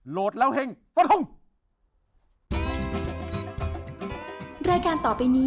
โหลดแล้วเฮ่งสวัสดีครับ